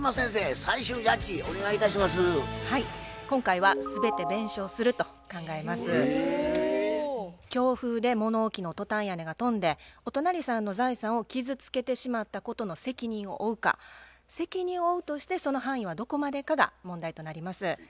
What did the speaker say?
今回は強風で物置のトタン屋根が飛んでお隣さんの財産を傷つけてしまったことの責任を負うか責任を負うとしてその範囲はどこまでかが問題となります。